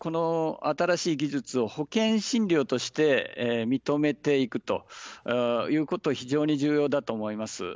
まずは、やはりこの新しい技術を保険診療として認めていくということが非常に重要だと思います。